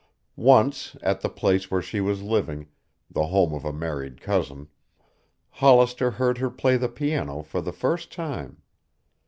Once, at the place where she was living, the home of a married cousin, Hollister heard her play the piano for the first time.